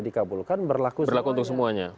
dikabulkan berlaku untuk semuanya